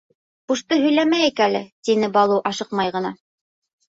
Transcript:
— Бушты һөйләмәйек әле, — тине Балу ашыҡмай ғына.